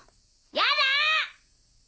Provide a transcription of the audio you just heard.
やだ！